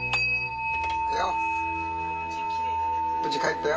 無事帰ったよ